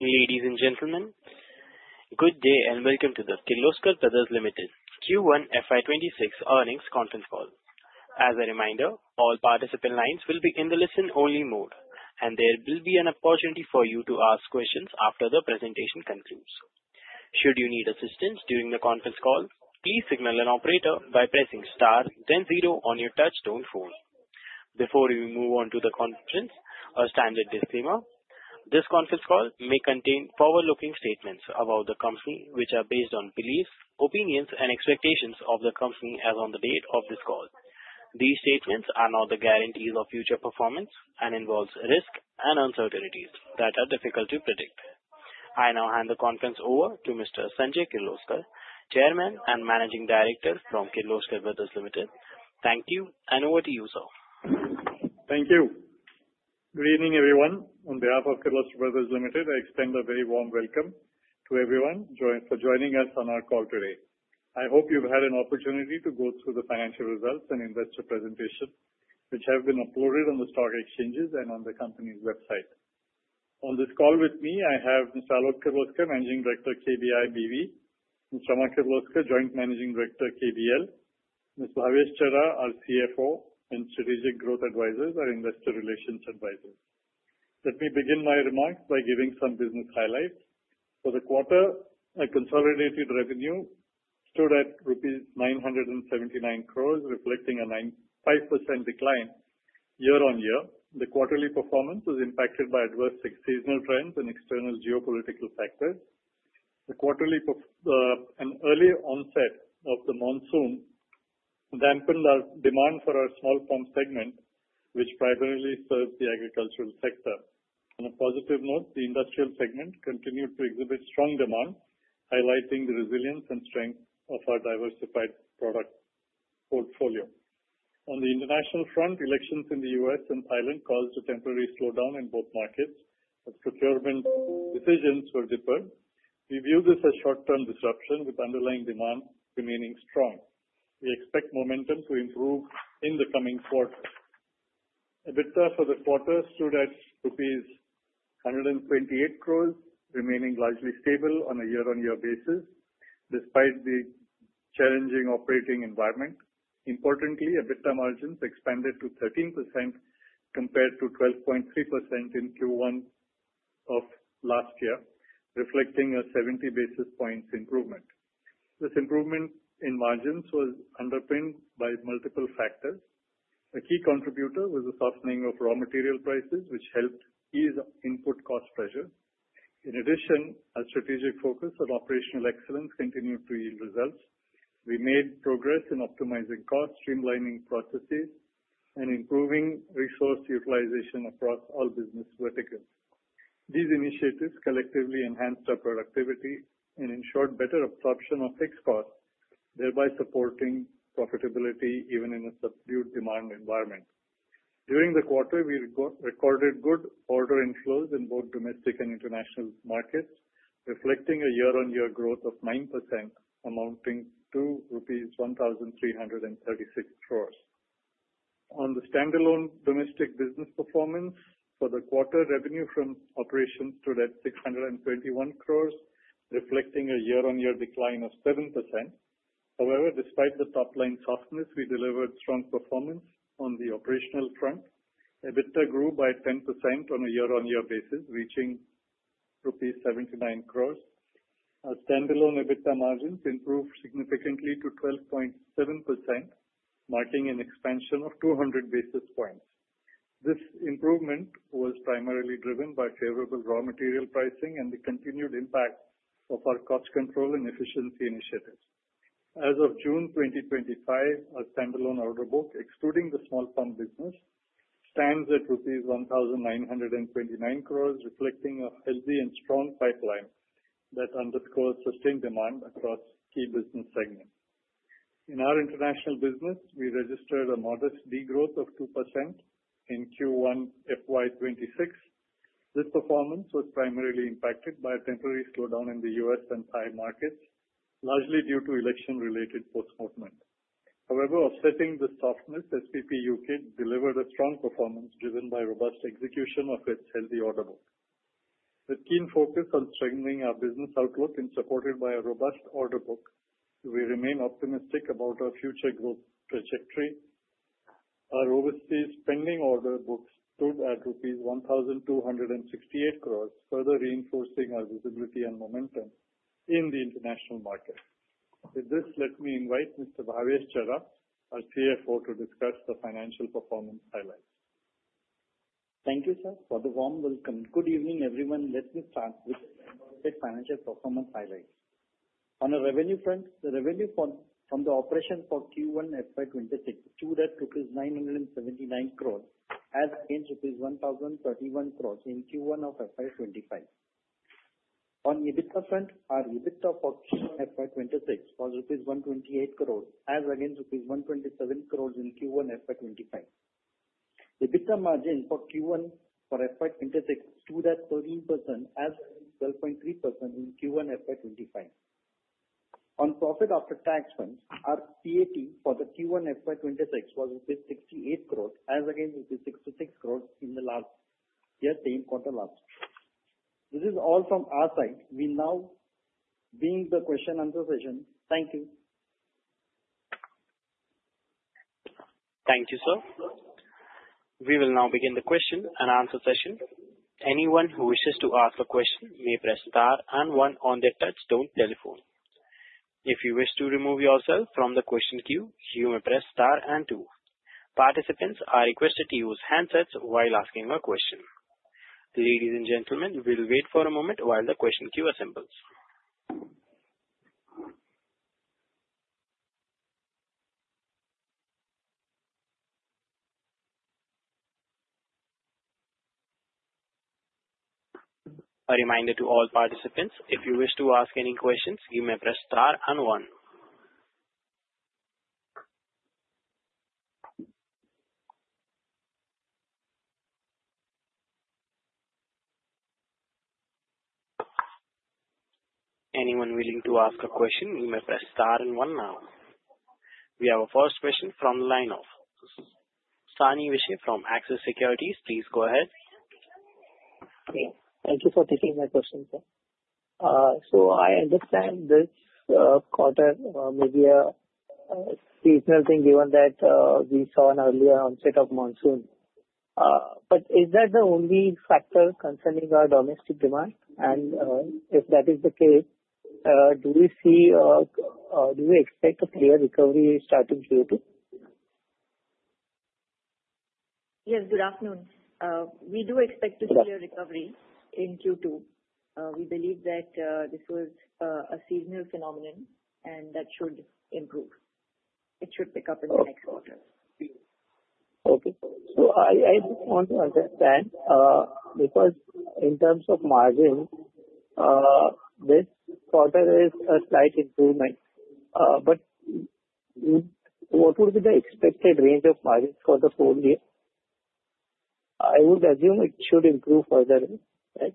Ladies and gentlemen, good day and welcome to the Kirloskar Brothers Limited Q1 FY26 Earnings Conference Call. As a reminder, all participant lines will be in the listen-only mode, and there will be an opportunity for you to ask questions after the presentation concludes. Should you need assistance during the conference call, please signal an operator by pressing star then zero on your touch-tone phone. Before we move on to the conference, a standard disclaimer, this conference call may contain forward-looking statements about the company, which are based on beliefs, opinions, and expectations of the company as of the date of this call. These statements are not the guarantees of future performance and involve risks and uncertainties that are difficult to predict. I now hand the conference over to Mr. Sanjay Kirloskar, Chairman and Managing Director from Kirloskar Brothers Limited. Thank you, and over to you, sir. Thank you. Good evening, everyone. On behalf of Kirloskar Brothers Limited, I extend a very warm welcome to everyone for joining us on our call today. I hope you've had an opportunity to go through the financial results and investor presentation, which have been uploaded on the stock exchanges and on the company's website. On this call with me, I have Mr. Alok Kirloskar, Managing Director, KBI BV, Mr. Amar Kirloskar, Joint Managing Director, KBL, Mr. Bhavesh Chhajed, our CFO and Strategic Growth Advisors, our Investor Relations Advisor. Let me begin my remarks by giving some business highlights. For the quarter, our consolidated revenue stood at rupees 979 crore, reflecting a 95% decline year-on-year. The quarterly performance was impacted by adverse seasonal trends and external geopolitical factors. The quarterly and early onset of the monsoon dampened our demand for our small farm segment, which primarily serves the agricultural sector. On a positive note, the industrial segment continued to exhibit strong demand, highlighting the resilience and strength of our diversified product portfolio. On the international front, elections in the U.S. and Thailand caused a temporary slowdown in both markets, but procurement decisions were deferred. We view this as short-term disruption, with underlying demand remaining strong. We expect momentum to improve in the coming quarter. EBITDA for the quarter stood at rupees 128 crore, remaining largely stable on a year-on-year basis despite the challenging operating environment. Importantly, EBITDA margins expanded to 13% compared to 12.3% in Q1 of last year, reflecting a 70 basis points improvement. This improvement in margins was underpinned by multiple factors. A key contributor was the softening of raw material prices, which helped ease input cost pressure. In addition, our strategic focus on operational excellence continued to yield results. We made progress in optimizing costs, streamlining processes, and improving resource utilization across all business verticals. These initiatives collectively enhanced our productivity and ensured better absorption of fixed costs, thereby supporting profitability even in a subdued demand environment. During the quarter, we recorded good order inflows in both domestic and international markets, reflecting a year-on-year growth of 9%, amounting to rupees 1,336 crore. On the standalone domestic business performance, for the quarter, revenue from operations stood at 621 crore, reflecting a year-on-year decline of 7%. However, despite the top-line softness, we delivered strong performance on the operational front. EBITDA grew by 10% on a year-on-year basis, reaching rupees 79 crore. Our standalone EBITDA margins improved significantly to 12.7%, marking an expansion of 200 basis points. This improvement was primarily driven by favorable raw material pricing and the continued impact of our cost control and efficiency initiatives. As of June 2025, our standalone order book, excluding the small farm business, stands at rupees 1,929 crore, reflecting a healthy and strong pipeline that underscores sustained demand across key business segments. In our international business, we registered a modest degrowth of 2% in Q1 FY 2026. This performance was primarily impacted by a temporary slowdown in the U.S. and Thai markets, largely due to election-related postponement. However, offsetting this softness, SPP U.K. delivered a strong performance driven by robust execution of its healthy order book. With a keen focus on strengthening our business outlook and supported by a robust order book, we remain optimistic about our future growth trajectory. Our overseas spending order book stood at rupees 1,268 crore, further reinforcing our visibility and momentum in the international market. With this, let me invite Mr. Bhavesh Chhajed, our CFO, to discuss the financial performance highlights. Thank you, sir, for the warm welcome. Good evening, everyone. Let me start with the financial performance highlights. On the revenue front, the revenue from the operations for Q1 FY 2026 stood at 979 crore, as against rupees 1,031 crore in Q1 of FY25. On the EBITDA front, our EBITDA for Q1 FY 2026 was rupees 128 crore, as against rupees 127 crore in Q1 FY 2025. The EBITDA margin for Q1 for FY 2026 stood at 13%, as against 12.3% in Q1 FY 2025. On profit after tax front, our PAT for the Q1 FY 2026 was rupees 68 crore, as against rupees 66 crore in the last year, same quarter last year. This is all from our side. We now begin the Q&A session. Thank you. Thank you, sir. We will now begin the Q&A session. Anyone who wishes to ask a question may press star and one on their touch-tone telephone. If you wish to remove yourself from the question queue, you may press star and two. Participants are requested to use handsets while asking a question. Ladies and gentlemen, we will wait for a moment while the question queue assembles. A reminder to all participants, if you wish to ask any questions, you may press star and one. Anyone willing to ask a question, you may press star and one now. We have a first question from the line of Sani Vishe from Axis Securities. Please go ahead. Okay. Thank you for taking my question, sir. So I understand this quarter may be a seasonal thing given that we saw an earlier onset of monsoon. But is that the only factor concerning our domestic demand? And if that is the case, do we see or do we expect a clear recovery starting Q2? Yes, good afternoon. We do expect a clear recovery in Q2. We believe that this was a seasonal phenomenon, and that should improve. It should pick up in the next quarter. Okay, so I just want to understand because in terms of margin, this quarter is a slight improvement, but what would be the expected range of margin for the full year? I would assume it should improve further, right,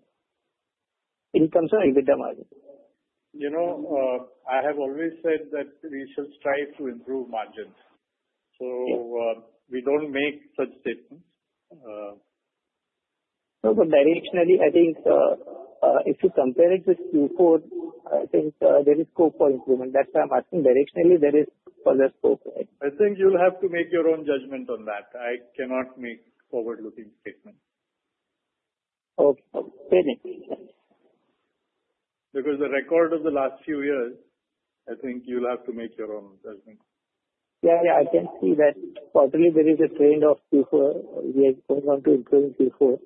in terms of EBITDA margin? You know, I have always said that we should strive to improve margins. So we don't make such statements. No, but directionally, I think if you compare it with Q4, I think there is scope for improvement. That's why I'm asking directionally, there is further scope. I think you'll have to make your own judgment on that. I cannot make forward-looking statements. Okay. Okay. Because the record of the last few years, I think you'll have to make your own judgment. Yeah, yeah. I can see that quarterly, there is a trend of Q4. We are going on to improve in Q4.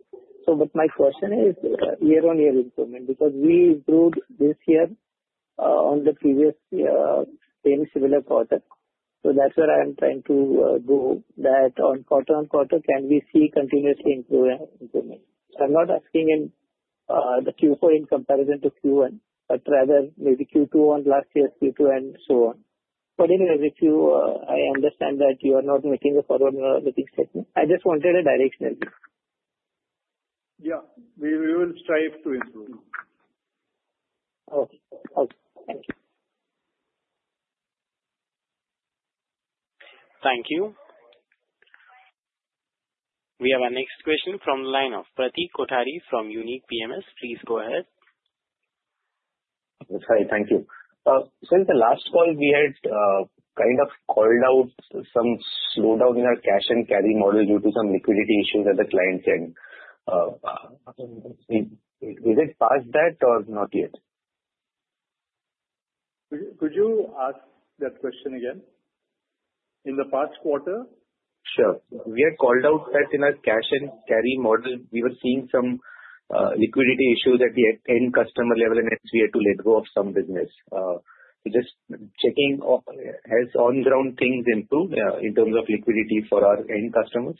So my question is year-on-year improvement because we improved this year on the previous same similar quarter. So that's where I am trying to go that on quarter-on-quarter, can we see continuous improvement? So I'm not asking in the Q4 in comparison to Q1, but rather maybe Q2 and last year's Q2 and so on. But anyway, I understand that you are not making a forward-looking statement. I just wanted a directional view. Yeah. We will strive to improve. Okay. Okay. Thank you. Thank you. We have our next question from the line of Pratik Kothari from Unique PMS. Please go ahead. Sorry. Thank you. So in the last call, we had kind of called out some slowdown in our cash and carry model due to some liquidity issues at the client's end. Is it past that or not yet? Could you ask that question again? In the past quarter? Sure. We had called out that in our cash and carry model, we were seeing some liquidity issues at the end customer level in SPB to let go of some business. Just checking, has on-ground things improved in terms of liquidity for our end customers?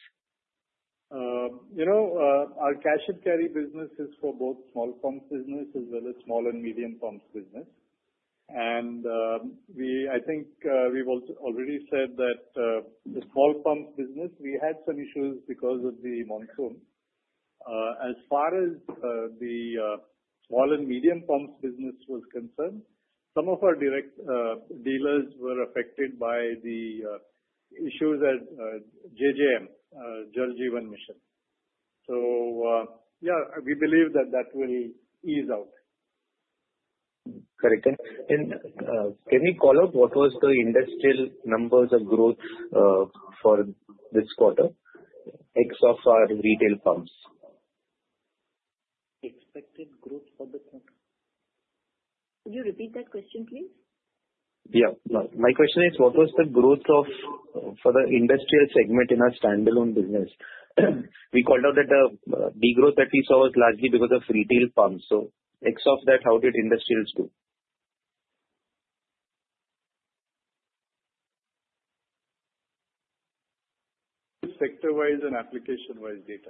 You know, our cash and carry business is for both small pumps business as well as small and medium pumps business. And I think we've already said that the small pumps business, we had some issues because of the monsoon. As far as the small and medium pumps business was concerned, some of our direct dealers were affected by the issues at JJM, Jal Jeevan Mission. So yeah, we believe that that will ease out. Correct. And can you call out what was the industrial numbers of growth for this quarter except for retail farms? Expected growth for the quarter? Could you repeat that question, please? Yeah. My question is, what was the growth for the industrial segment in our standalone business? We called out that the degrowth that we saw was largely because of retail farms. So except that, how did industrials do? Sector-wise and application-wise data.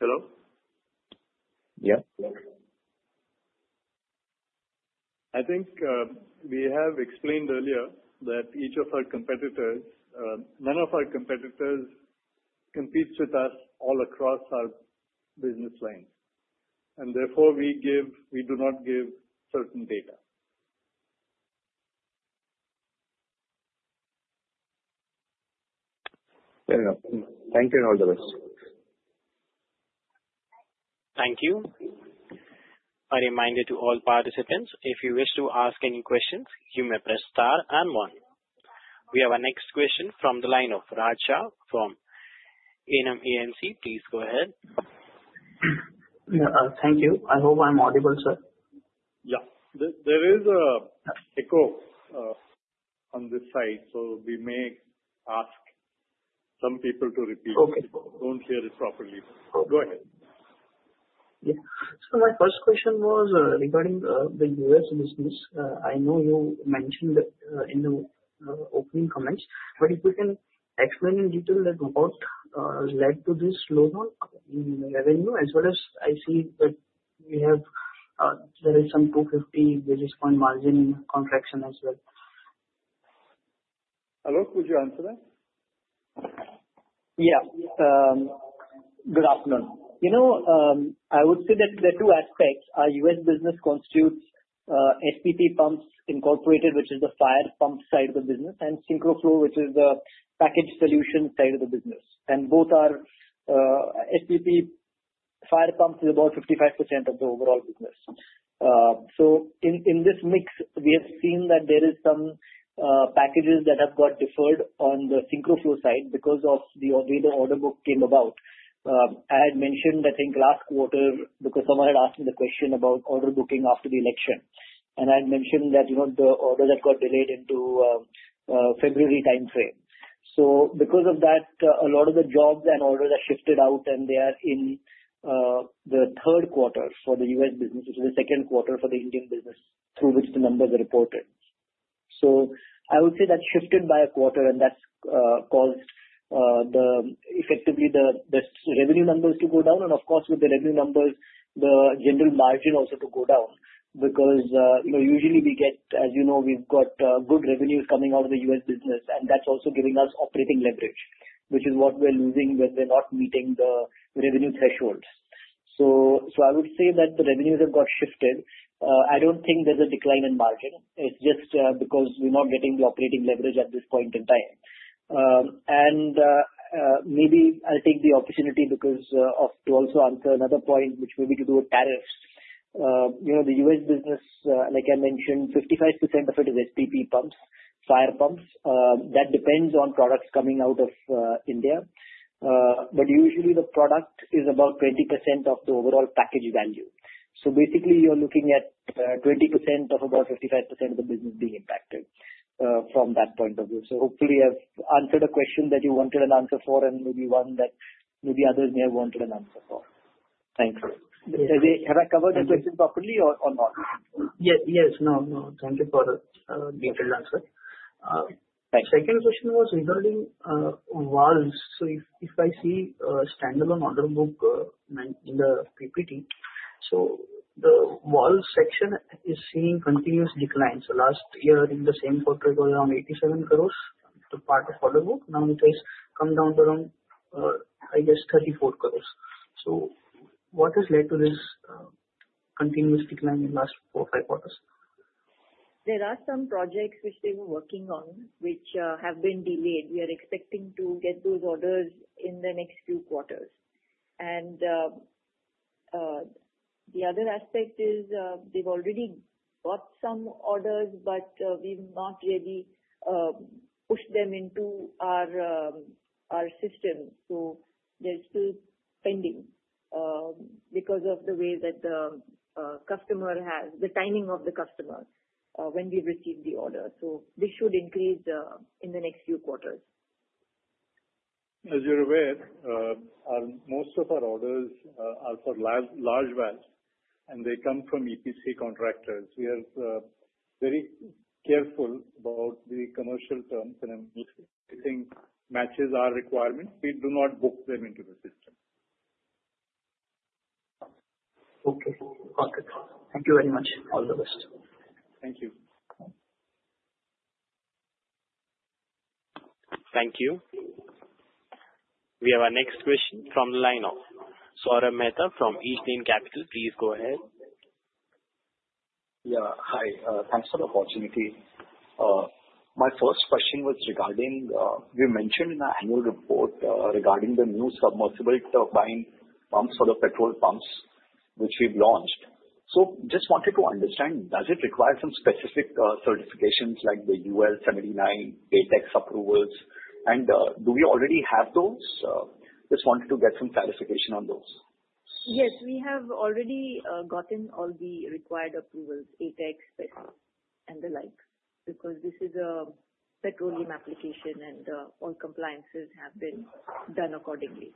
Hello? Yeah. I think we have explained earlier that none of our competitors competes with us all across our business lines. And therefore, we do not give certain data. Very good. Thank you and all the best. Thank you. A reminder to all participants, if you wish to ask any questions, you may press star and one. We have our next question from the line of Raja from NMANC. Please go ahead. Yeah. Thank you. I hope I'm audible, sir. Yeah. There is an echo on this side, so we may ask some people to repeat. Don't hear it properly. Go ahead. Yeah. So my first question was regarding the U.S. business. I know you mentioned in the opening comments, but if you can explain in detail what led to this slowdown in revenue, as well as I see that there is some 250 basis points margin contraction as well. Hello, could you answer that? Yeah. Good afternoon. You know, I would say that there are two aspects. Our U.S. business constitutes SPP Pumps Incorporated, which is the fire pump side of the business, and SynchroFlo, which is the package solution side of the business. And both are SPP. Fire pumps is about 55% of the overall business. So in this mix, we have seen that there are some packages that have got deferred on the SynchroFlo side because of the way the order book came about. I had mentioned, I think, last quarter because someone had asked me the question about order booking after the election. And I had mentioned that the orders had got delayed into February timeframe. So because of that, a lot of the jobs and orders have shifted out, and they are in the third quarter for the U.S. business, which is the second quarter for the Indian business through which the numbers are reported. So I would say that shifted by a quarter, and that's caused effectively the revenue numbers to go down. And of course, with the revenue numbers, the general margin also to go down because usually we get, as you know, we've got good revenues coming out of the U.S. business, and that's also giving us operating leverage, which is what we're losing when we're not meeting the revenue thresholds. So I would say that the revenues have got shifted. I don't think there's a decline in margin. It's just because we're not getting the operating leverage at this point in time. Maybe I'll take the opportunity to also answer another point, which may be to do with tariffs. The US business, like I mentioned, 55% of it is SPP pumps, fire pumps. That depends on products coming out of India. But usually, the product is about 20% of the overall package value. So basically, you're looking at 20% of about 55% of the business being impacted from that point of view. So hopefully, I've answered a question that you wanted an answer for and maybe one that maybe others may have wanted an answer for. Thanks. Have I covered the question properly or not? Yes. No, no. Thank you for the detailed answer. Second question was regarding valves. So if I see a standalone order book in the PPT, so the valves section is seeing continuous decline. So last year, in the same quarter, it was around 87 crores, the part of order book. Now it has come down to around, I guess, 34 crores. So what has led to this continuous decline in the last four or five quarters? There are some projects which they were working on which have been delayed. We are expecting to get those orders in the next few quarters. And the other aspect is they've already got some orders, but we've not really pushed them into our system. So they're still pending because of the way that the customer has, the timing of the customer when we receive the order. So this should increase in the next few quarters. As you're aware, most of our orders are for large valves, and they come from EPC contractors. We are very careful about the commercial terms and everything matches our requirements. We do not book them into the system. Okay. Okay. Thank you very much. All the best. Thank you. Thank you. We have our next question from the line of Saurabh Mehta from East Lane Capital. Please go ahead. Yeah. Hi. Thanks for the opportunity. My first question was regarding we mentioned in our annual report regarding the new submersible turbine pumps for the petrol pumps which we've launched. So just wanted to understand, does it require some specific certifications like the UL 79 ATEX approvals? And do we already have those? Just wanted to get some clarification on those. Yes. We have already gotten all the required approvals, ATEX and the like, because this is a petroleum application, and all compliances have been done accordingly.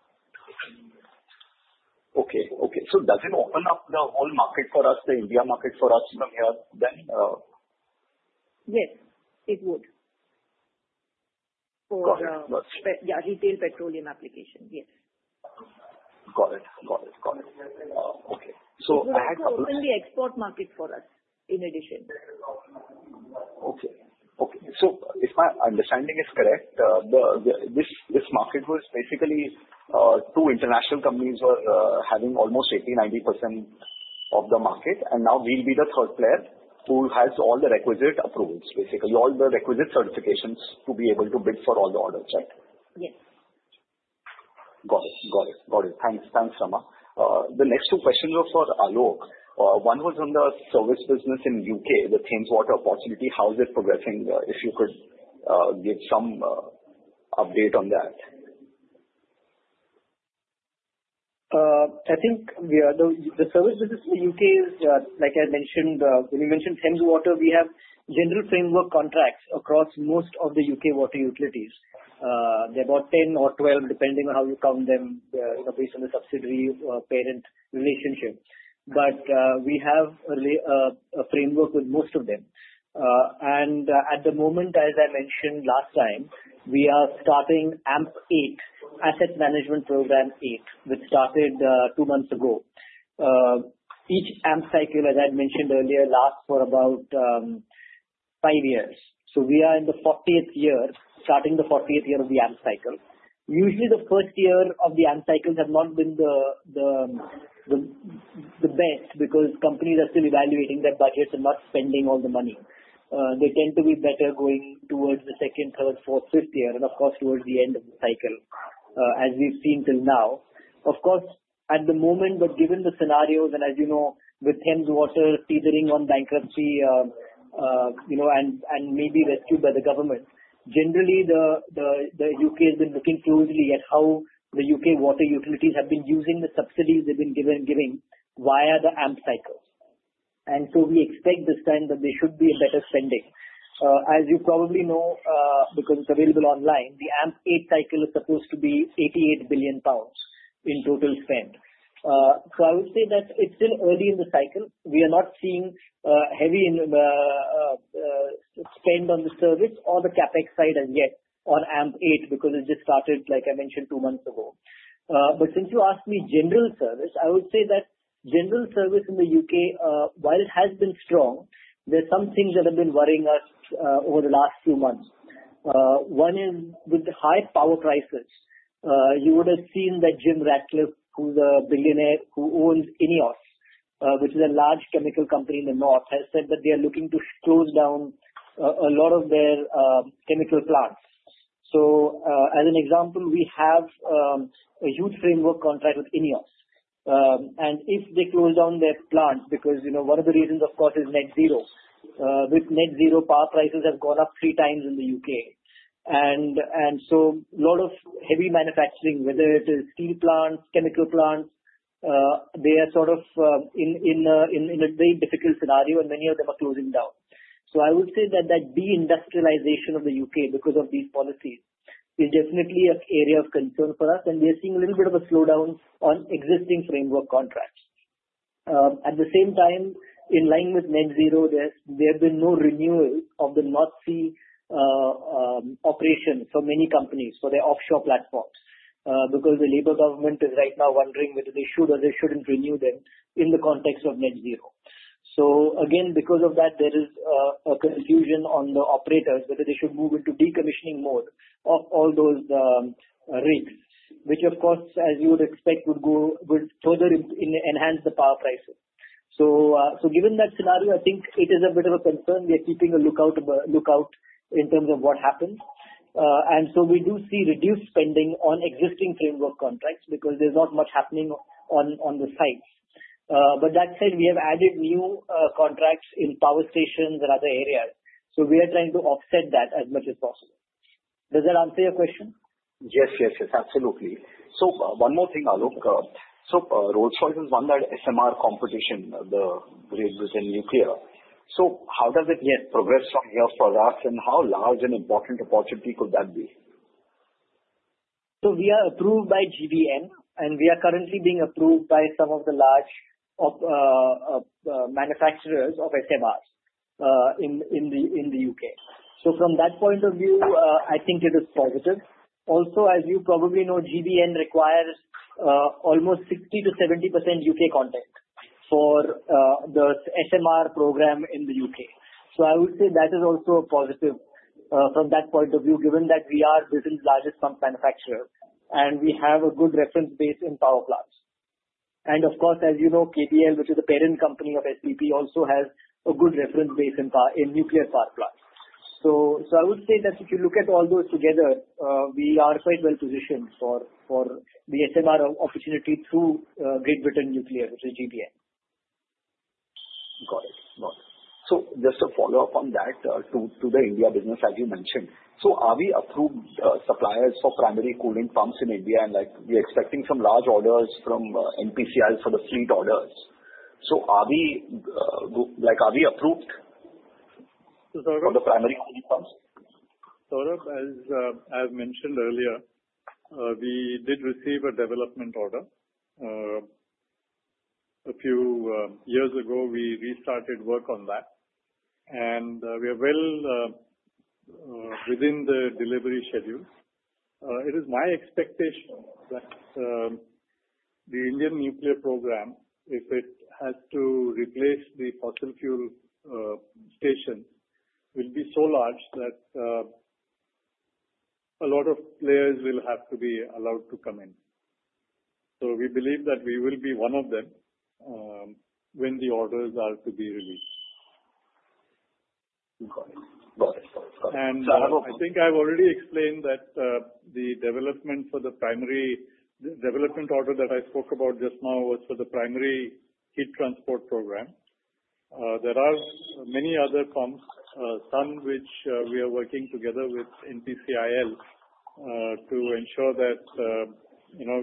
Okay. So does it open up the whole market for us, the India market for us from here then? Yes. It would. For. Got it. Got it. Yeah, retail petroleum application, yes. Got it. Got it. Got it. Okay. So I had. It will open the export market for us in addition. Okay. Okay. So if my understanding is correct, this market was basically two international companies were having almost 80%-90% of the market. And now we'll be the third player who has all the requisite approvals, basically all the requisite certifications to be able to bid for all the orders, right? Yes. Got it. Thanks, Rama. The next two questions were for Alok. One was on the service business in the U.K., the Thames Water opportunity. How is it progressing? If you could give some update on that. I think the service business in the U.K. is, like I mentioned, when you mentioned Thames Water, we have general framework contracts across most of the U.K. water utilities. There are about 10 or 12, depending on how you count them based on the subsidiary-parent relationship. But we have a framework with most of them. And at the moment, as I mentioned last time, we are starting AMP 8, Asset Management Program 8, which started two months ago. Each AMP cycle, as I had mentioned earlier, lasts for about five years. So we are in the 40th year, starting the 40th year of the AMP cycle. Usually, the first year of the AMP cycles have not been the best because companies are still evaluating their budgets and not spending all the money. They tend to be better going towards the second, third, fourth, fifth year, and of course, towards the end of the cycle, as we've seen till now. Of course, at the moment, but given the scenarios, and as you know, with Thames Water teetering on bankruptcy and maybe rescued by the government, generally, the U.K. has been looking closely at how the U.K. water utilities have been using the subsidies they've been giving via the AMP cycles. And so we expect this time that there should be better spending. As you probably know, because it's available online, the AMP 8 cycle is supposed to be 88 billion pounds in total spend. So I would say that it's still early in the cycle. We are not seeing heavy spend on the service or the CapEx side as yet on AMP 8 because it just started, like I mentioned, two months ago. But since you asked me general service, I would say that general service in the U.K., while it has been strong, there are some things that have been worrying us over the last few months. One is with the high power prices. You would have seen that Jim Ratcliffe, who's a billionaire who owns INEOS, which is a large chemical company in the north, has said that they are looking to close down a lot of their chemical plants. So as an example, we have a huge framework contract with INEOS. And if they close down their plants because one of the reasons, of course, is net zero. With net zero, power prices have gone up three times in the U.K. A lot of heavy manufacturing, whether it is steel plants, chemical plants, they are sort of in a very difficult scenario, and many of them are closing down. I would say that that deindustrialization of the U.K. because of these policies is definitely an area of concern for us. We are seeing a little bit of a slowdown on existing framework contracts. At the same time, in line with net zero, there have been no renewals of the North Sea operations for many companies, for their offshore platforms, because the Labor government is right now wondering whether they should or they shouldn't renew them in the context of net zero. Again, because of that, there is a confusion on the operators whether they should move into decommissioning mode of all those rigs, which, of course, as you would expect, would further enhance the power prices. So given that scenario, I think it is a bit of a concern. We are keeping a lookout in terms of what happens. And so we do see reduced spending on existing framework contracts because there's not much happening on the sites. But that said, we have added new contracts in power stations and other areas. So we are trying to offset that as much as possible. Does that answer your question? Yes, yes, yes. Absolutely. So one more thing, Alok. So Rolls-Royce has won that SMR competition, the Great Britain Nuclear. So how does it progress from here for us, and how large and important opportunity could that be? So we are approved by GBN, and we are currently being approved by some of the large manufacturers of SMRs in the U.K. So from that point of view, I think it is positive. Also, as you probably know, GBN requires almost 60%-70% U.K. content for the SMR program in the U.K. So I would say that is also a positive from that point of view, given that we are Britain's largest pump manufacturer, and we have a good reference base in power plants. And of course, as you know, KBL, which is the parent company of SPP, also has a good reference base in nuclear power plants. So I would say that if you look at all those together, we are quite well positioned for the SMR opportunity through Great Britain Nuclear, which is GBN. Got it. Got it. So just to follow up on that to the India business, as you mentioned, so are we approved suppliers for primary cooling pumps in India? And we're expecting some large orders from NPCIL for the fleet orders. So are we approved for the primary cooling pumps? Saurabh, as I've mentioned earlier, we did receive a development order a few years ago. We restarted work on that, and we are well within the delivery schedule. It is my expectation that the Indian nuclear program, if it has to replace the fossil fuel stations, will be so large that a lot of players will have to be allowed to come in. So we believe that we will be one of them when the orders are to be released. Got it. Got it. Got it. I think I've already explained that the development for the primary development order that I spoke about just now was for the primary heat transport program. There are many other pumps, some which we are working together with NPCIL to ensure that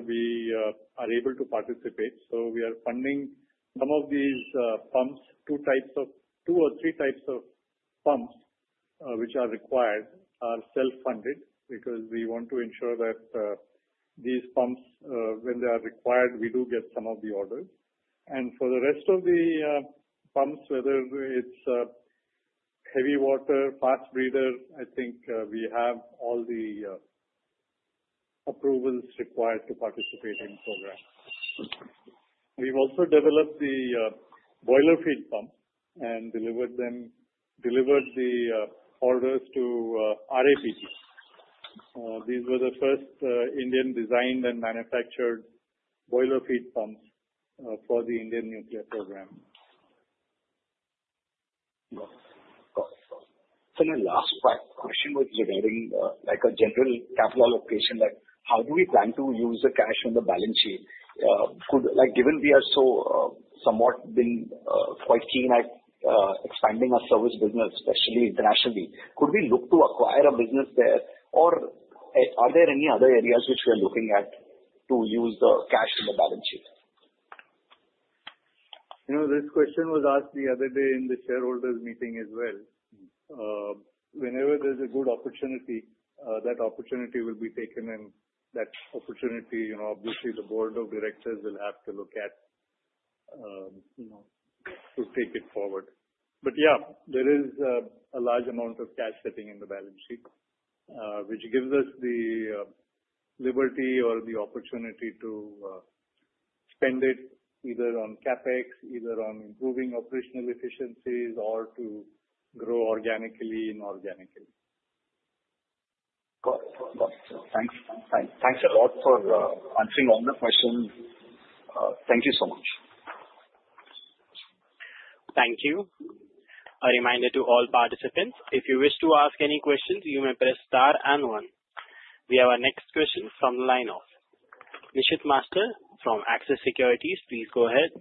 we are able to participate. So we are funding some of these pumps. Two or three types of pumps which are required are self-funded because we want to ensure that these pumps, when they are required, we do get some of the orders. For the rest of the pumps, whether it's heavy water, fast breeder, I think we have all the approvals required to participate in the program. We've also developed the boiler feed pumps and delivered the orders to RAPP. These were the first Indian-designed and manufactured boiler feed pumps for the Indian nuclear program. Got it. Got it. Got it. So my last question was regarding a general capital allocation, that how do we plan to use the cash on the balance sheet? Given we have so somewhat been quite keen at expanding our service business, especially internationally, could we look to acquire a business there, or are there any other areas which we are looking at to use the cash on the balance sheet? This question was asked the other day in the shareholders' meeting as well. Whenever there's a good opportunity, that opportunity will be taken, and that opportunity, obviously, the board of directors will have to look at to take it forward. But yeah, there is a large amount of cash sitting in the balance sheet, which gives us the liberty or the opportunity to spend it either on CapEx, either on improving operational efficiencies, or to grow organically and organically. Got it. Got it. Got it. Thanks. Thanks a lot for answering all the questions. Thank you so much. Thank you. A reminder to all participants, if you wish to ask any questions, you may press star and one. We have our next question from the line of Nishit Master from Axis Securities. Please go ahead.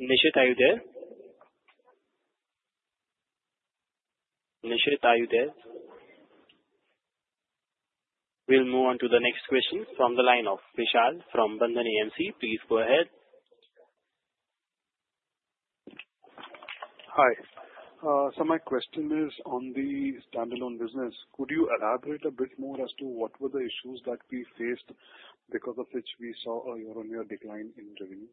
Nishit, are you there? Nishit, are you there? We'll move on to the next question from the line of Vishal from Bandhan AMC. Please go ahead. Hi. So my question is on the standalone business. Could you elaborate a bit more as to what were the issues that we faced because of which we saw a year-on-year decline in revenue?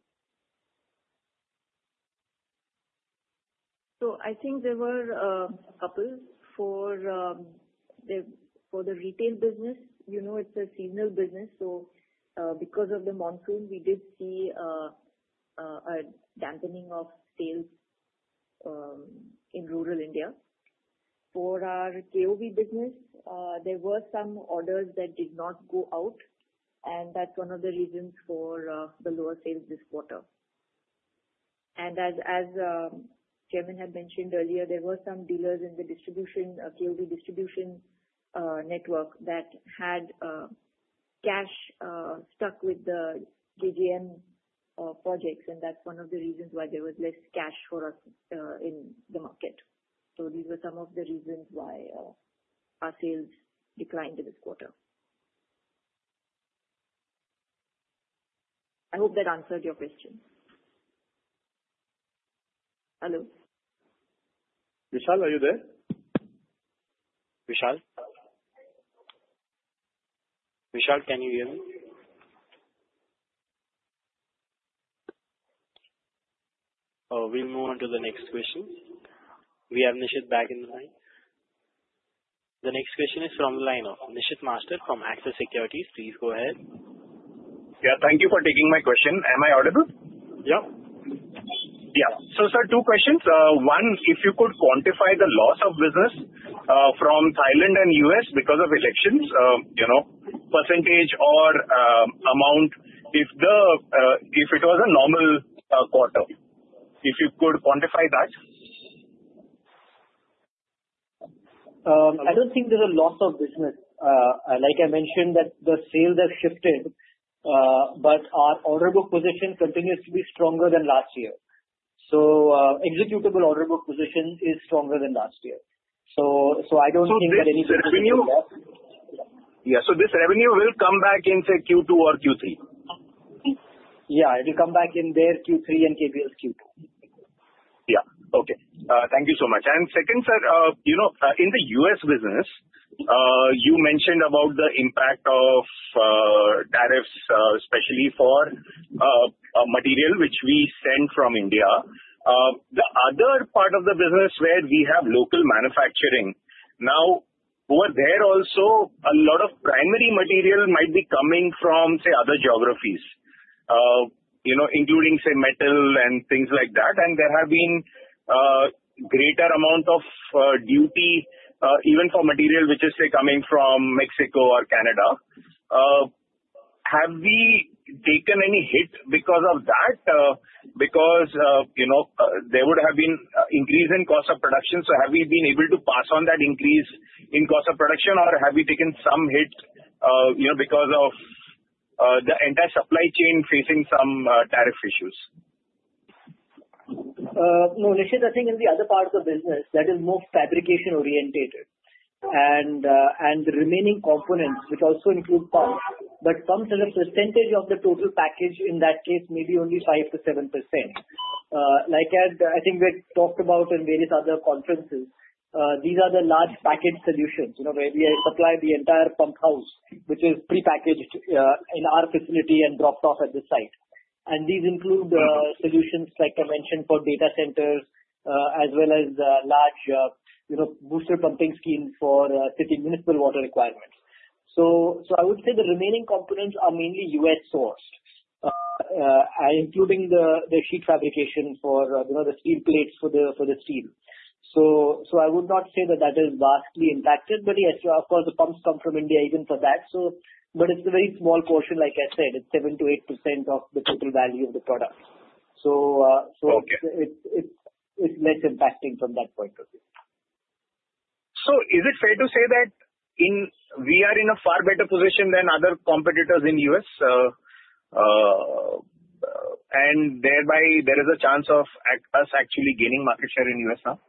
So I think there were a couple. For the retail business, it's a seasonal business. So because of the monsoon, we did see a dampening of sales in rural India. For our KOV business, there were some orders that did not go out, and that's one of the reasons for the lower sales this quarter. And as Chairman had mentioned earlier, there were some dealers in the KOV distribution network that had cash stuck with the JJM projects, and that's one of the reasons why there was less cash for us in the market. So these were some of the reasons why our sales declined this quarter. I hope that answered your question. Hello. Vishal, are you there? Vishal? Vishal, can you hear me? We'll move on to the next question. We have Nishit back in the line. The next question is from the line of Nishit Master from Axis Securities. Please go ahead. Yeah. Thank you for taking my question. Am I audible? Yeah. Yeah. So, sir, two questions. One, if you could quantify the loss of business from Thailand and the U.S. because of elections, percentage or amount, if it was a normal quarter, if you could quantify that? I don't think there's a loss of business. Like I mentioned, the sales have shifted, but our order book position continues to be stronger than last year. So executable order book position is stronger than last year. So I don't think that anything will come back. Yeah. So this revenue will come back in, say, Q2 or Q3? Yeah. It will come back in their Q3 and KBL's Q2. Yeah. Okay. Thank you so much. And second, sir, in the U.S. business, you mentioned about the impact of tariffs, especially for material which we send from India. The other part of the business where we have local manufacturing. Now, over there, also, a lot of primary material might be coming from, say, other geographies, including, say, metal and things like that. And there have been a greater amount of duty, even for material which is, say, coming from Mexico or Canada. Have we taken any hit because of that? Because there would have been an increase in cost of production, so have we been able to pass on that increase in cost of production, or have we taken some hit because of the entire supply chain facing some tariff issues? No, Nishit, I think in the other part of the business, that is more fabrication-oriented. And the remaining components, which also include pumps, but pumps are a percentage of the total package, in that case, maybe only 5%-7%. Like I think we've talked about in various other conferences, these are the large package solutions where we supply the entire pump house, which is pre-packaged in our facility and dropped off at the site. And these include solutions, like I mentioned, for data centers, as well as large booster pumping schemes for city municipal water requirements. So I would say the remaining components are mainly U.S. sourced, including the sheet fabrication for the steel plates for the steel. So I would not say that that is vastly impacted. But yes, of course, the pumps come from India even for that. But it's a very small portion, like I said. It's 7%-8% of the total value of the product. So it's less impacting from that point of view. So is it fair to say that we are in a far better position than other competitors in the U.S., and thereby there is a chance of us actually gaining market share in the U.S. now?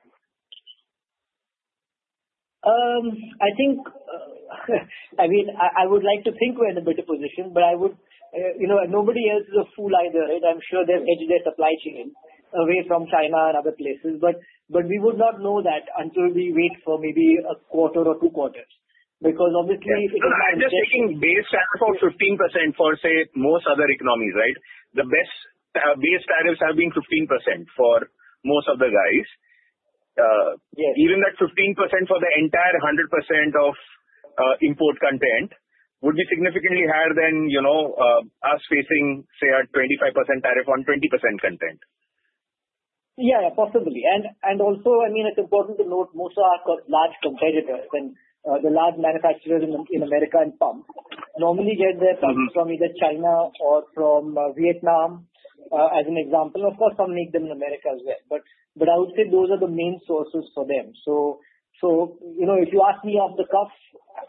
I mean, I would like to think we're in a better position, but nobody else is a fool either. I'm sure there's edge of their supply chain away from China and other places. But we would not know that until we wait for maybe a quarter or two quarters because, obviously. I'm just taking base tariff of 15% for, say, most other economies, right? The base tariffs have been 15% for most of the guys. Even that 15% for the entire 100% of import content would be significantly higher than us facing, say, a 25% tariff on 20% content. Yeah, possibly, and also, I mean, it's important to note most of our large competitors and the large manufacturers in America and pumps normally get their pumps from either China or from Vietnam, as an example. Of course, some make them in America as well, but I would say those are the main sources for them, so if you ask me off the cuff,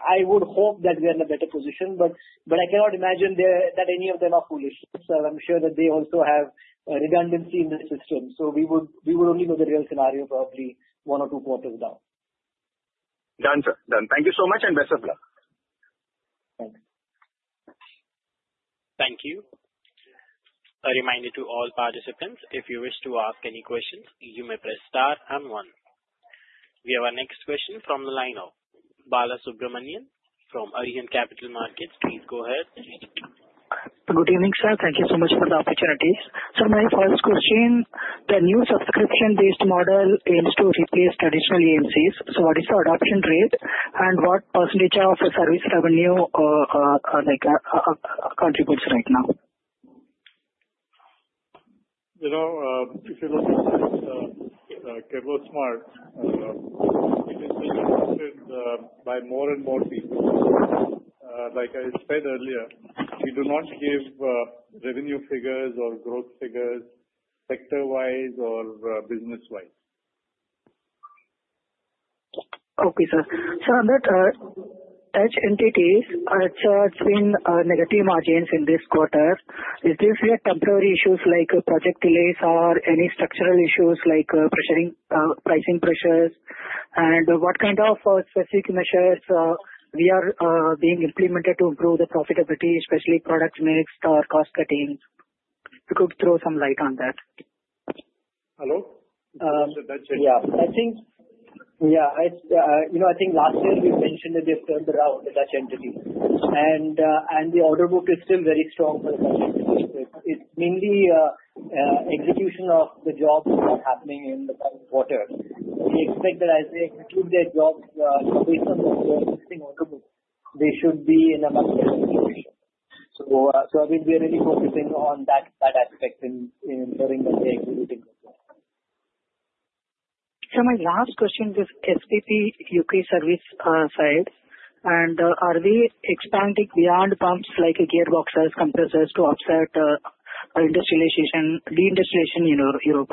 I would hope that we're in a better position, but I cannot imagine that any of them are foolish, so I'm sure that they also have redundancy in the system, so we would only know the real scenario probably one or two quarters down. Done, sir. Done. Thank you so much and best of luck. Thanks. Thank you. A reminder to all participants, if you wish to ask any questions, you may press star and one. We have our next question from the line of Balasubramanian from Arihant Capital Markets, please go ahead. Good evening, sir. Thank you so much for the opportunity. So my first question, the new subscription-based model aims to replace traditional AMCs. So what is the adoption rate and what percentage of service revenue contributes right now? If you look at KirloSmart, it is being adopted by more and more people. Like I said earlier, we do not give revenue figures or growth figures sector-wise or business-wise. Okay, sir. So on that, Dutch entities, it's been negative margins in this quarter. Is this yet temporary issues like project delays or any structural issues like pricing pressures? And what kind of specific measures are being implemented to improve the profitability, especially product mix or cost cutting? You could throw some light on that. Hello? Yeah. I think last year we mentioned that they've turned around the Dutch entity, and the order book is still very strong for the Dutch entity. It's mainly execution of the jobs that are happening in the current quarter. We expect that as they execute their jobs based on the existing order book, they should be in a much better position, so I mean, we are really focusing on that aspect during the day executing the job. So my last question is SPP U.K. service side. And are they expanding beyond pumps like gearboxes, compressors to offset de-industrialization in Europe?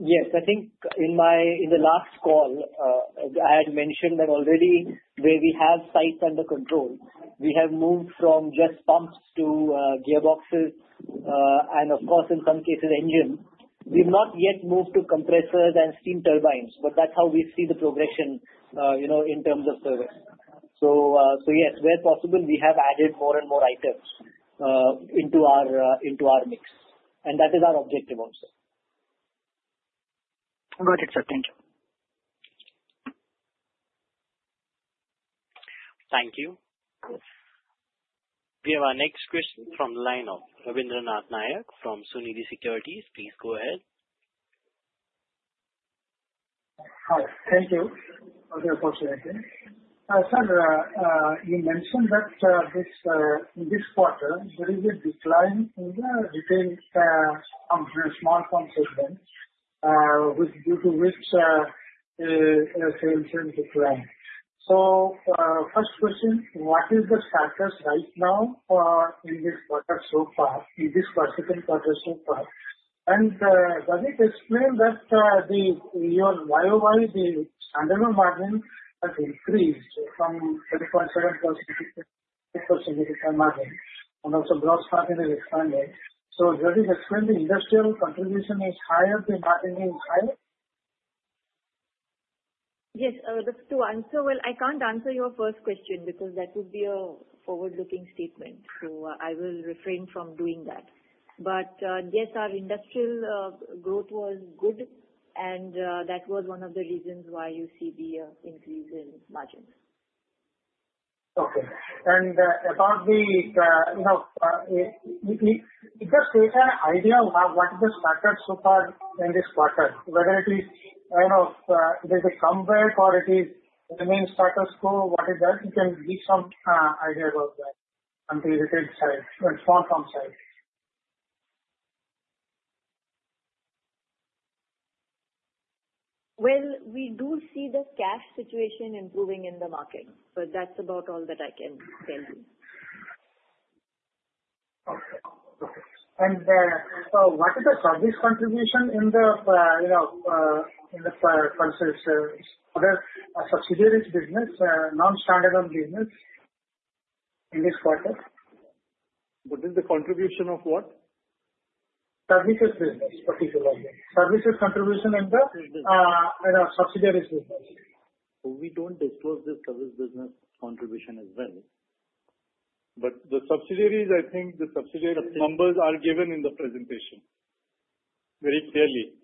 Yes. I think in the last call, I had mentioned that already where we have sites under control, we have moved from just pumps to gearboxes and, of course, in some cases, engines. We have not yet moved to compressors and steam turbines, but that's how we see the progression in terms of service. So yes, where possible, we have added more and more items into our mix. And that is our objective also. Got it, sir. Thank you. Thank you. We have our next question from the line of Rabindra Nath Nayak from Sunidhi Securities. Please go ahead. Thank you for the opportunity. Sir, you mentioned that this quarter, there is a decline in the retail pumps, small pumps segment, due to which sales have declined. So first question, what is the status right now in this quarter so far, in this particular quarter so far? And does it explain that your YOY, the standalone margin, has increased from 3.7%-4.7% margin? And also gross margin has expanded. So does it explain the industrial contribution is higher, the margin is higher? Yes, that's two answers. Well, I can't answer your first question because that would be a forward-looking statement. So I will refrain from doing that. But yes, our industrial growth was good, and that was one of the reasons why you see the increase in margins. Okay, and about the industry and idea of what is the status so far in this quarter, whether it is kind of, does it come back or it is remains status quo, what is that? You can give some idea about that on the retail side or small pump side. We do see the cash situation improving in the market. That's about all that I can tell you. Okay, and so what is the service contribution in the subsidiary business, non-standalone business in this quarter? What is the contribution of what? Services business, particularly. Services contribution in the subsidiary business. We don't disclose the service business contribution as well. But the subsidiaries, I think the subsidiary numbers are given in the presentation very clearly.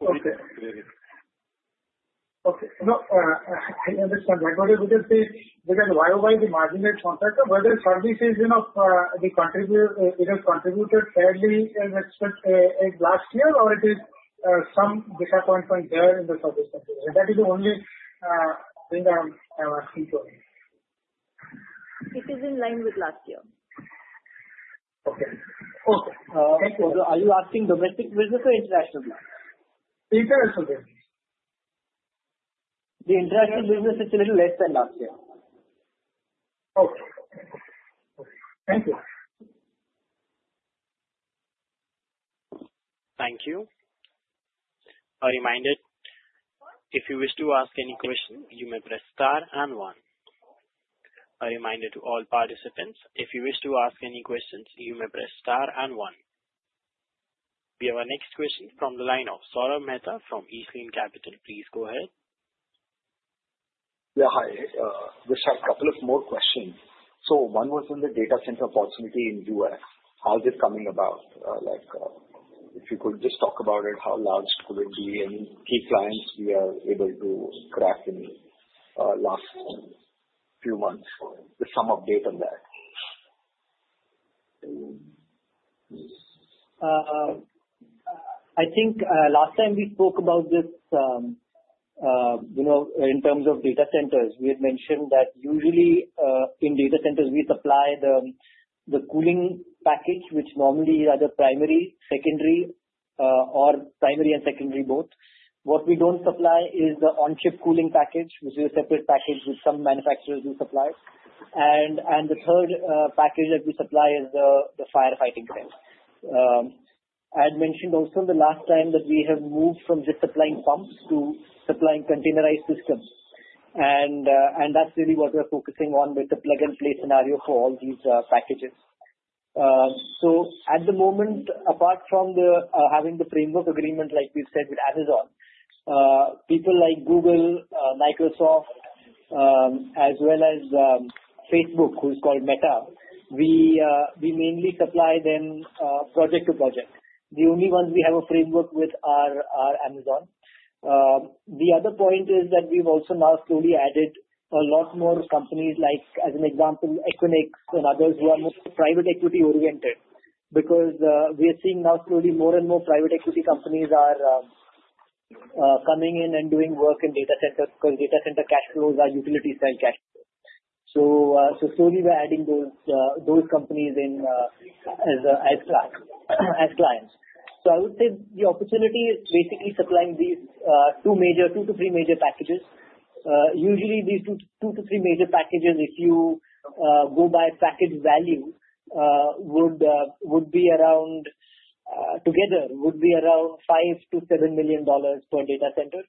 Okay. I understand. I would just say, because YoY, the margin is shorter, whether services contributed fairly as expected last year or it is some disappointment there in the service contribution. That is the only thing I'm asking for. It is in line with last year. Okay. Okay. Thank you. Are you asking domestic business or international business? International business. The international business is a little less than last year. Okay. Thank you. Thank you. A reminder, if you wish to ask any question, you may press star and one. A reminder to all participants, if you wish to ask any questions, you may press star and one. We have our next question from the line of Saurabh Mehta from East Lane Capital. Please go ahead. Yeah. Hi. Just a couple of more questions. So one was in the data center opportunity in the U.S. How is it coming about? If you could just talk about it, how large could it be and key clients we are able to crack in the last few months? Just some update on that. I think last time we spoke about this in terms of data centers, we had mentioned that usually in data centers, we supply the cooling package, which normally are the primary, secondary, or primary and secondary both. What we don't supply is the on-chip cooling package, which is a separate package with some manufacturers who supply. And the third package that we supply is the firefighting crate. I had mentioned also the last time that we have moved from just supplying pumps to supplying containerized systems. And that's really what we're focusing on with the plug-and-play scenario for all these packages. So at the moment, apart from having the framework agreement, like we've said, with Amazon, people like Google, Microsoft, as well as Facebook, who is called Meta, we mainly supply them project to project. The only ones we have a framework with are Amazon. The other point is that we've also now slowly added a lot more companies, like as an example, Equinix and others who are more private equity oriented because we are seeing now slowly more and more private equity companies are coming in and doing work in data centers because data center cash flows are utility-style cash flows. So slowly we're adding those companies in as clients. So I would say the opportunity is basically supplying these two to three major packages. Usually, these two to three major packages, if you go by package value, would be around together, would be around $5-$7 million per data center,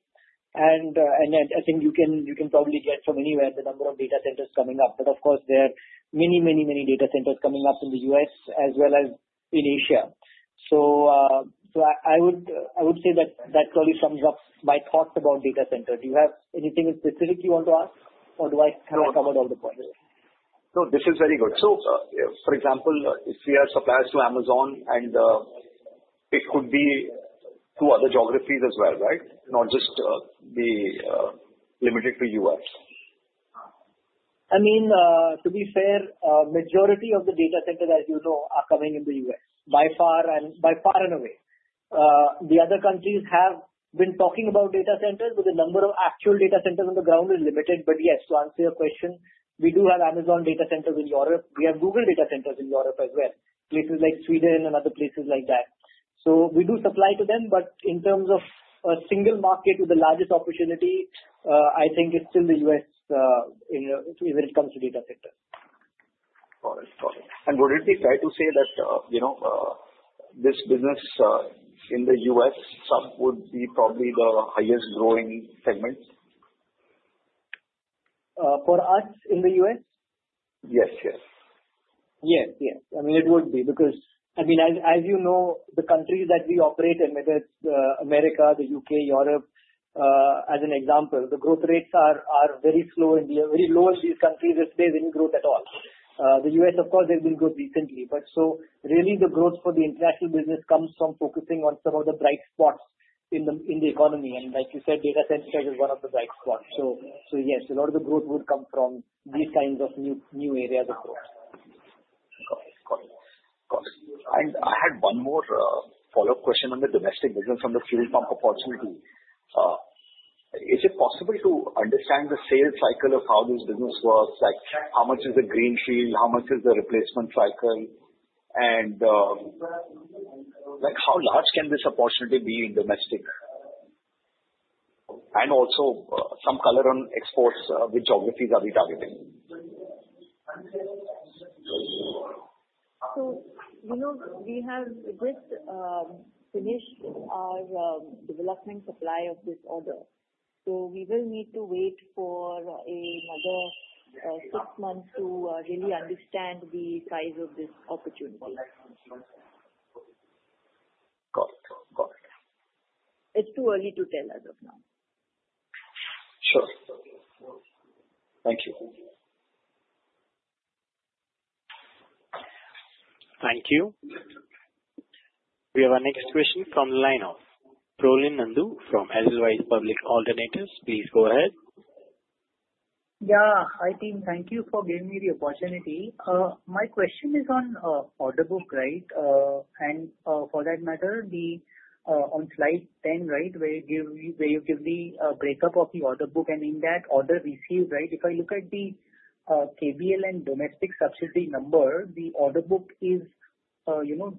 and I think you can probably get from anywhere the number of data centers coming up, but of course, there are many, many, many data centers coming up in the U.S. as well as in Asia. So I would say that that probably sums up my thoughts about data centers. Do you have anything specific you want to ask, or do I kind of covered all the points? No, this is very good. So for example, if we are suppliers to Amazon, and it could be to other geographies as well, right? Not just be limited to U.S. I mean, to be fair, majority of the data centers, as you know, are coming in the U.S. by far and away. The other countries have been talking about data centers, but the number of actual data centers on the ground is limited. But yes, to answer your question, we do have Amazon data centers in Europe. We have Google data centers in Europe as well, places like Sweden and other places like that. So we do supply to them, but in terms of a single market with the largest opportunity, I think it's still the U.S. when it comes to data centers. Got it. Got it. Would it be fair to say that this business in the U.S. sub would be probably the highest growing segment? For us in the U.S.? Yes, yes. Yes, yes. I mean, it would be because, I mean, as you know, the countries that we operate in, whether it's America, the U.K., Europe, as an example, the growth rates are very slow in the very lowest of these countries these days, any growth at all. The U.S., of course, there's been growth recently. But so really, the growth for the international business comes from focusing on some of the bright spots in the economy. And like you said, data centers are one of the bright spots. So yes, a lot of the growth would come from these kinds of new areas of growth. Got it. Got it. Got it. And I had one more follow-up question on the domestic business on the fuel pump opportunity. Is it possible to understand the sales cycle of how this business works? How much is the greenfield? How much is the replacement cycle? And how large can this opportunity be in domestic? And also some color on exports, which geographies are we targeting? So we have just finished our development supply of this order. So we will need to wait for another six months to really understand the size of this opportunity. Got it. Got it. It's too early to tell as of now. Sure. Thank you. Thank you. We have our next question from the line of Prolin Nandu from Azeris Public Alternatives. Please go ahead. Yeah. I think thank you for giving me the opportunity. My question is on order book, right? And for that matter, then on slide 10, right, where you give the breakup of the order book and in that order received, right, if I look at the KBL and domestic subsidiary number, the order book is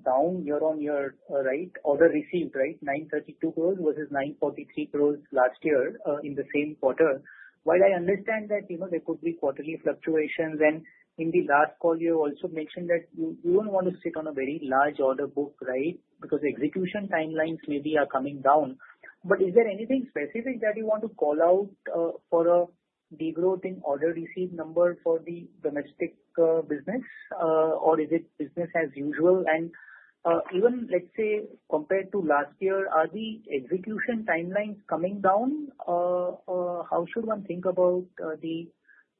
down here on your right, order received, right, 932 crores versus 943 crores last year in the same quarter. While I understand that there could be quarterly fluctuations, and in the last call, you also mentioned that you don't want to sit on a very large order book, right, because execution timelines maybe are coming down. But is there anything specific that you want to call out for a degrowth in order receipt number for the domestic business, or is it business as usual? Even, let's say, compared to last year, are the execution timelines coming down? How should one think about the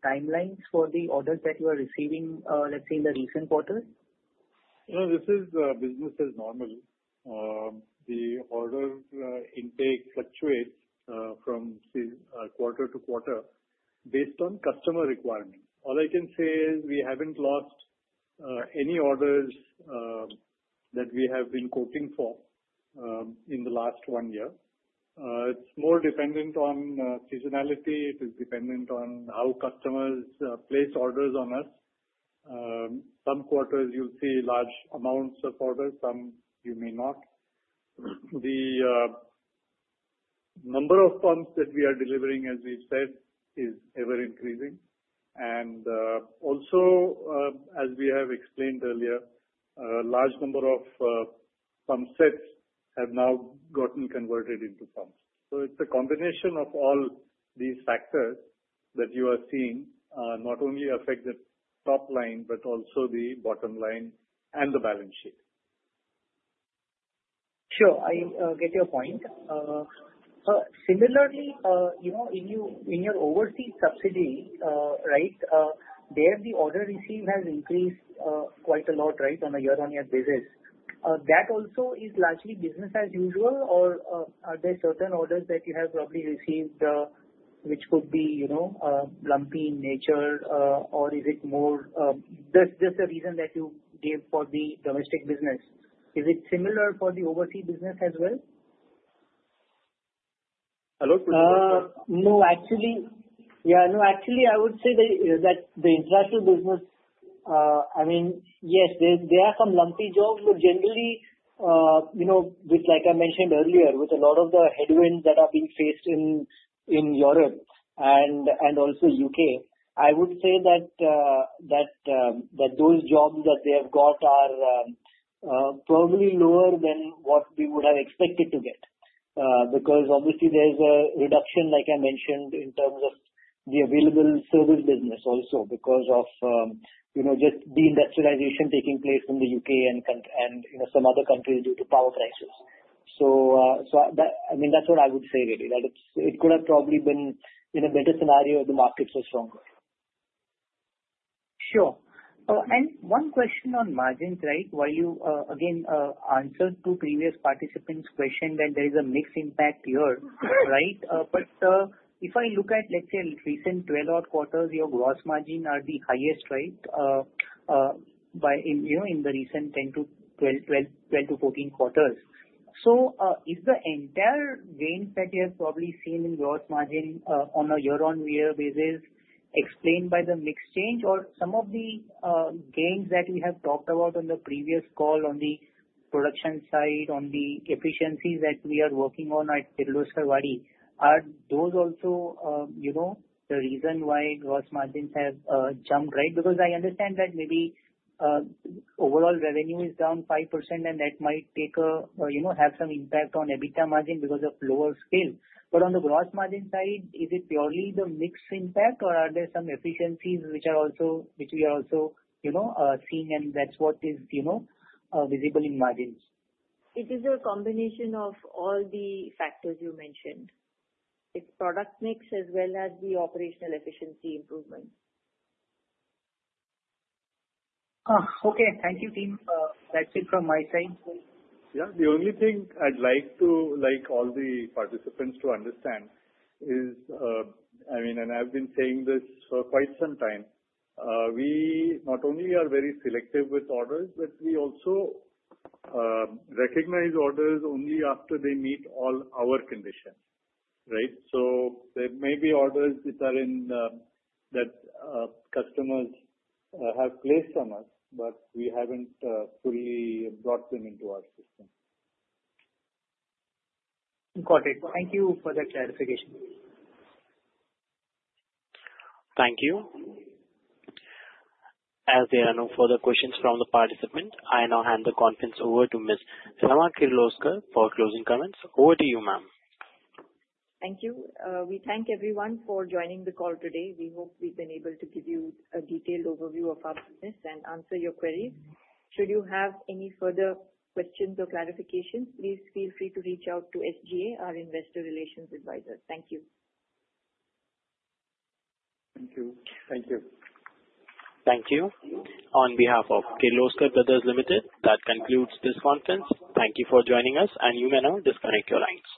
timelines for the orders that you are receiving, let's say, in the recent quarter? This is business as normal. The order intake fluctuates from quarter to quarter based on customer requirements. All I can say is we haven't lost any orders that we have been quoting for in the last one year. It's more dependent on seasonality. It is dependent on how customers place orders on us. Some quarters, you'll see large amounts of orders. Some you may not. The number of pumps that we are delivering, as we've said, is ever increasing. And also, as we have explained earlier, a large number of pump sets have now gotten converted into pumps. So it's a combination of all these factors that you are seeing not only affect the top line, but also the bottom line and the balance sheet. Sure. I get your point. Similarly, in your overseas subsidiary, right, there the order receipt has increased quite a lot, right, on a year-on-year basis. That also is largely business as usual, or are there certain orders that you have probably received which could be lumpy in nature, or is it more just the reason that you gave for the domestic business? Is it similar for the overseas business as well? Hello? No, actually, yeah, no, actually, I would say that the international business, I mean, yes, there are some lumpy jobs, but generally, like I mentioned earlier, with a lot of the headwinds that are being faced in Europe and also U.K., I would say that those jobs that they have got are probably lower than what we would have expected to get because obviously there's a reduction, like I mentioned, in terms of the available service business also because of just the industrialization taking place in the U.K. and some other countries due to power crisis. So I mean, that's what I would say, really, that it could have probably been in a better scenario if the markets were stronger. Sure. And one question on margins, right? While you, again, answered two previous participants' questions that there is a mixed impact here, right? But if I look at, let's say, recent 12-odd quarters, your gross margin are the highest, right, in the recent 10 to 12 to 14 quarters. So is the entire gain that you have probably seen in gross margin on a year-on-year basis explained by the mixed change? Or some of the gains that we have talked about on the previous call on the production side, on the efficiencies that we are working on at Kirloskarvadi, are those also the reason why gross margins have jumped, right? Because I understand that maybe overall revenue is down 5%, and that might have some impact on EBITDA margin because of lower scale. But on the gross margin side, is it purely the mixed impact, or are there some efficiencies which we are also seeing, and that's what is visible in margins? It is a combination of all the factors you mentioned. It's product mix as well as the operational efficiency improvement. Okay. Thank you, team. That's it from my side. Yeah. The only thing I'd like all the participants to understand is, I mean, and I've been saying this for quite some time, we not only are very selective with orders, but we also recognize orders only after they meet all our conditions, right? So there may be orders that customers have placed on us, but we haven't fully brought them into our system. Got it. Thank you for the clarification. Thank you. As there are no further questions from the participants, I now hand the conference over to Ms. Rama Kirloskar for closing comments. Over to you, ma'am. Thank you. We thank everyone for joining the call today. We hope we've been able to give you a detailed overview of our business and answer your queries. Should you have any further questions or clarifications, please feel free to reach out to SGA, our investor relations advisor. Thank you. Thank you. Thank you. Thank you. On behalf of Kirloskar Brothers Limited, that concludes this conference. Thank you for joining us, and you may now disconnect your lines.